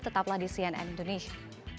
tetaplah di cnn indonesia